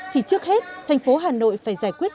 thì trước hết thành phố hà nội phải giải quyết